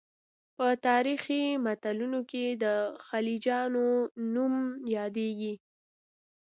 په تاریخي متونو کې د خلجیانو نوم یادېږي.